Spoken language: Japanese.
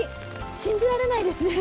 信じられないですね。